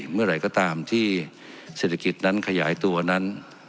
เมื่อไหร่ก็ตามที่เศรษฐกิจนั้นขยายตัวนั้น